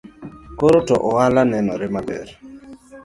Koro to ohala nenore maber